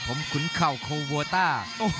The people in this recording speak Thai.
ผมขุนเข่าโคโวต้า